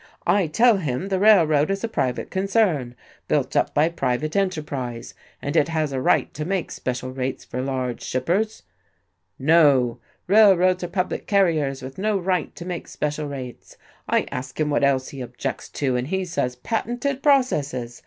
"I tell him the railroad is a private concern, built up by private enterprise, and it has a right to make special rates for large shippers. No, railroads are public carriers with no right to make special rates. I ask him what else he objects to, and he says patented processes.